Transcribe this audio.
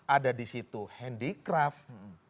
ada di situ handicraft